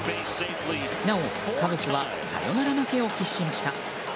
なお、カブスはサヨナラ負けを喫しました。